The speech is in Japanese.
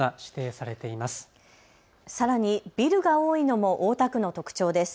さらにビルが多いのも大田区の特徴です。